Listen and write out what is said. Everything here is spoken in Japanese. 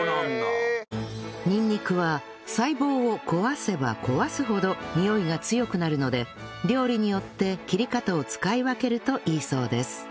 にんにくは細胞を壊せば壊すほどにおいが強くなるので料理によって切り方を使い分けるといいそうです